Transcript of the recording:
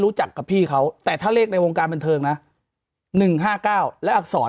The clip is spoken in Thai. รู้จักกับพี่เขาแต่ถ้าเลขในวงการเป็นเทิงนะหนึ่งห้าเก้าแล้วอักษร